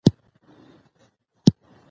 په واشنګټن پوهنتون کې ډاکټر ډسیس مشري کوي.